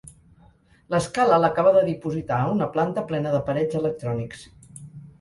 L'escala l'acaba de dipositar a una planta plena d'aparells electrònics.